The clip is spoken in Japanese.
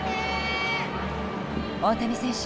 大谷選手